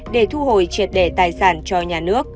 để thu hồi triệt đề tài sản cho nhà nước